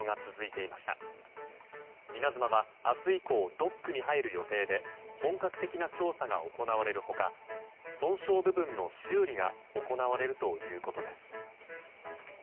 「いなづま」は明日以降、ドックに入る予定で本格的な調査が行われる他損傷部分の修理が行われるということです。